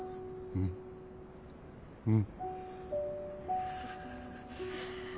うんうん。